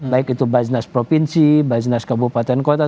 baik itu baznas provinsi baznas kabupaten kota